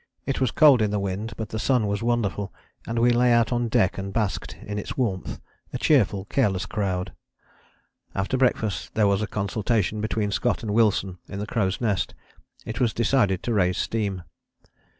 It was cold in the wind but the sun was wonderful, and we lay out on deck and basked in its warmth, a cheerful, careless crowd. After breakfast there was a consultation between Scott and Wilson in the crow's nest. It was decided to raise steam.